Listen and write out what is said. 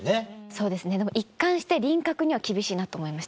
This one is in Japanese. そうですねでも一貫して輪郭には厳しいなと思いました。